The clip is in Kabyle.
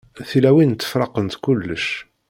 Tilawin ttefṛaqent kullec.